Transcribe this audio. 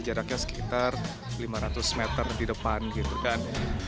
jaraknya sekitar lima ratus meter di depan gitu kan